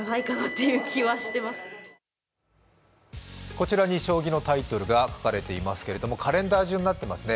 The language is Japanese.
こちらに将棋のタイトルが書かれていますけれどもカレンダー順になっていますね。